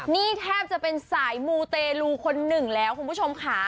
นี่แทบจะเป็นสายมูเตลูคนหนึ่งแล้วคุณผู้ชมค่ะ